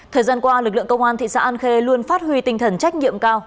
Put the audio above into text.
thời gian qua lực lượng công an thị xã an khê luôn phát huy tinh thần trách nhiệm cao